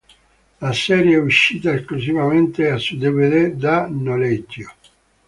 La serie è uscita esclusivamente su dvd da noleggio.